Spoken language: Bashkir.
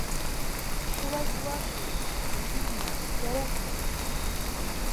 Шулай була шул ул. Килмә, кәрәкмәй.